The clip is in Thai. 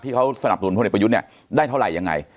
ที่เขาสนับสนุนพเปยุทธ์ได้เท่าไหร่ยังไง